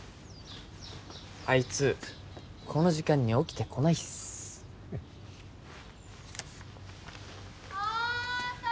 あいつこの時間には起きてこないっすおと！